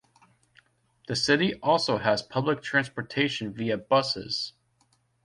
The city also has public transportation via buses.